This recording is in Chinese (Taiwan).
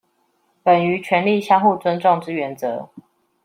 本於權力相互尊重之原則